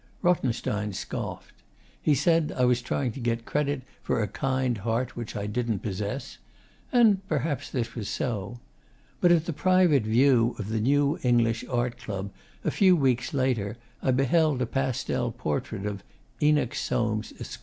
Rothenstein scoffed. He said I was trying to get credit for a kind heart which I didn't possess; and perhaps this was so. But at the private view of the New English Art Club, a few weeks later, I beheld a pastel portrait of 'Enoch Soames, Esq.